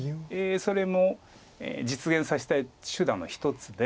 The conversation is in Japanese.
それも実現させたい手段の一つで。